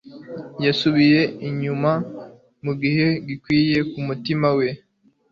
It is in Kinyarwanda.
Yasubiye inyuma mugihe gikwiye umutima we